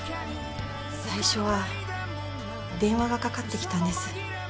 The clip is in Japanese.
最初は電話がかかってきたんです